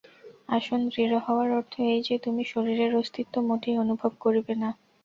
আসন দৃঢ় হওয়ার অর্থ এই যে, তুমি শরীরের অস্তিত্ব মোটেই অনুভব করিবে না।